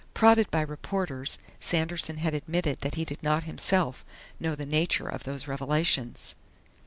Prodded by reporters, Sanderson had admitted that he did not himself know the nature of those revelations.